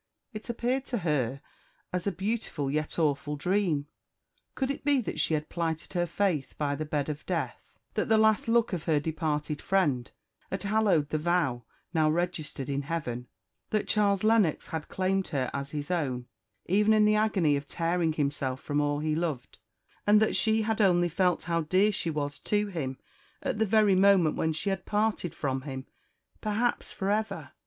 It appeared to her as a beautiful yet awful dream. Could it be that she had plighted her faith by the bed of death; that the last look of her departed friend had hallowed the vow now registered in heaven; that Charles Lennox had claimed her as his own, even in the agony of tearing himself from all he loved; and that she had only felt how dear she was to him at the very moment when she had parted from him, perhaps for ever?